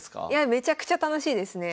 めちゃくちゃ楽しいですね。